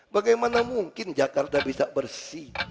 bagaimana mungkin jakarta bisa bersih